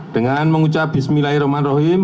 dengan mengucap bismillahirrahmanirrahim